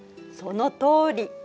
そのとおり。